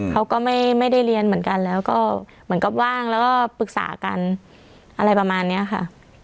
เขาก็ไม่ได้เรียนเหมือนกันแล้วก็เหมือนกับว่างแล้วก็ปรึกษากันอะไรประมาณนี้ค่ะ